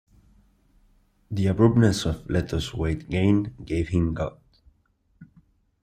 The abruptness of Leto's weight gain gave him gout.